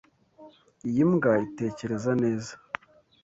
Iyi mbwa itekereza neza.